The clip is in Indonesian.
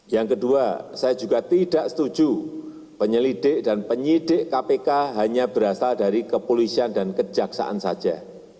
yang kedua saya juga tidak setuju penyelidik dan penyidik kpk hanya berasal dari kepolisian dan kejaksaan saja